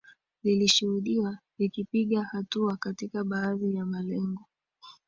zilishuhudiwa zikipiga hatua katika baadhi ya malengo